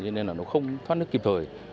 nên nó không thoát nước kịp thời